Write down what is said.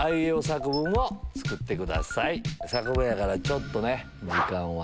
作文やからちょっとね時間は。